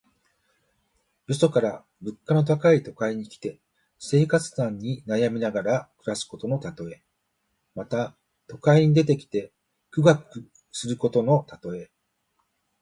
よそから物価の高い都会に来て、生活難に悩みながら暮らすことのたとえ。また、都会に出てきて苦学することのたとえ。